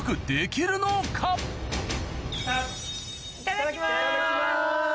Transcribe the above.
いただきます！